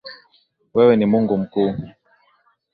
Wewe ni Mungu mkuu.